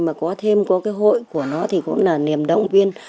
mà có thêm có cái hội của nó thì cũng là niềm động viên